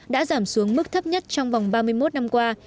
đã giảm xuống mức thấp nhất trong vòng ba mươi một năm qua